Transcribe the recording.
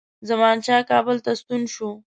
زمانشاه کابل ته ستون شو.